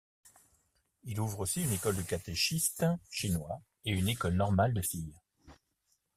Il ouvre aussi une école de catéchistes chinois et une école normale de filles.